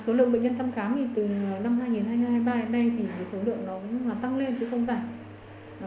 số lượng bệnh nhân thăm khám từ năm hai nghìn hai mươi ba đến nay thì số lượng nó cũng là tăng lên chứ không rảnh